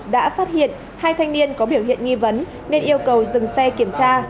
đã phát hiện hai thanh niên có biểu hiện nghi vấn nên yêu cầu dừng xe kiểm tra